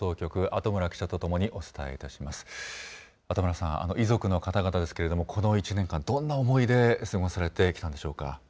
後村さん、遺族の方々ですけれども、この１年間、どんな思いで過ごされてきたんでしょうか。